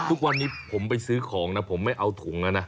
ทุกวันนี้ผมไปซื้อของนะผมไม่เอาถุงแล้วนะ